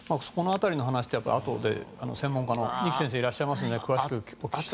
そこの辺りの話ってあとで専門家の二木先生がいらっしゃいますので。